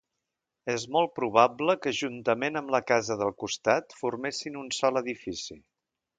És molt probable que juntament amb la casa del costat formessin un sol edifici.